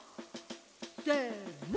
せの！